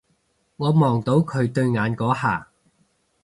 我望到佢對眼嗰下